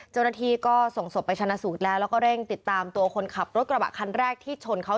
เจ้าหน้าที่ก็ส่งศพไปชนะสูตรแล้วแล้วก็เร่งติดตามตัวคนขับรถกระบะคันแรกที่ชนเขา